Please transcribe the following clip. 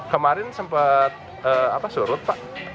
kemarin sempat surut pak